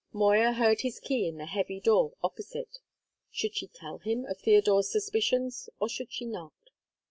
Moya heard his key in the heavy door opposite. Should she tell him of Theodore's suspicions, or should she not?